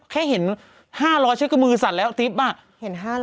แค่เห็น๕๐๐ฉันก็มือสั่นแล้วติ๊บอ่ะเห็น๕๐๐